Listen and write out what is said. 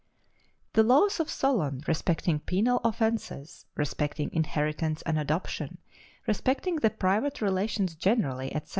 The laws of Solon respecting penal offences, respecting inheritance and adoption, respecting the private relations generally, etc.